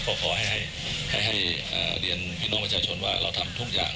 ก็ขอให้เรียนพี่น้องประชาชนว่าเราทำทุกอย่าง